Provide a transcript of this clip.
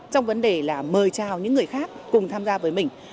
trong vấn đề là mời chào những người khác cùng tham gia với mình